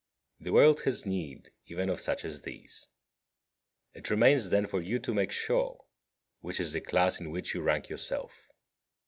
The world has need even of such as these. It remains then for you to make sure which is the class in which you rank yourself.